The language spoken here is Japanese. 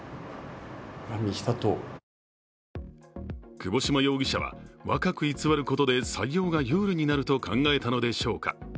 窪島容疑者は若く偽ることで採用が有利になると考えたのでしょうか。